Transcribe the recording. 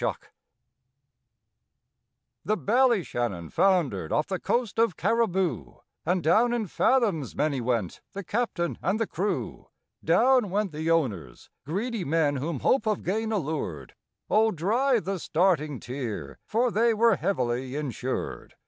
THE Ballyshannon foundered off the coast of Cariboo, And down in fathoms many went the captain and the crew; Down went the owners—greedy men whom hope of gain allured: Oh, dry the starting tear, for they were heavily insured.